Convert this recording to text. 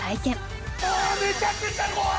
めちゃくちゃ怖い！